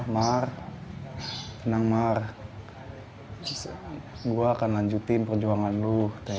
mar tenang mar gue akan lanjutin perjuangan lo